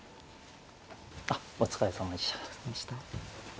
あっお疲れさまでした。